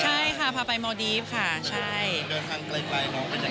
ใช่ค่ะพาไปมดีฟค่ะใช่